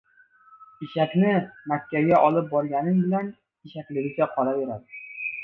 • Eshakni Makkaga olib borganing bilan eshakligicha qolaveradi.